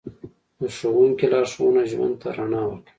د ښوونکي لارښوونه ژوند ته رڼا ورکوي.